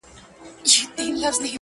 یو له بله یې کړل بيل نیژدې کورونه!.